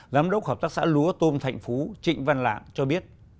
giám đốc hợp tác xã lúa tôm thạnh phú trịnh văn lạng cho biết